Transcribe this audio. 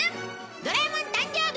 『ドラえもん』誕生日